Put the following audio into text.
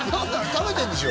食べてんでしょ？